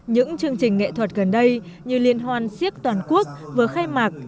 những chương trình nghệ thuật gần đây như liên hoan siếc toàn quốc vừa khai mạc